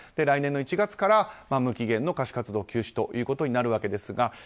来年の１月から無期限の歌手活動休止となるわけですが。